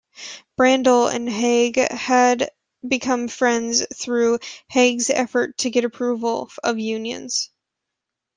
Brandle and Hague had become friends through Hague's efforts to get approval of unions.